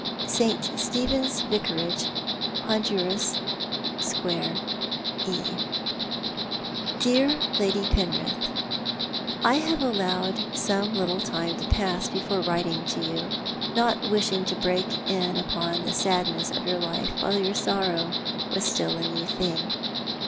"St. Stephen's Vicarage, Honduras Square, E. "Dear Lady Penkith, "I have allowed some little time to pass before writing to you, not wishing to break in upon the sadness of your iffe while your sorrow was still a new thing.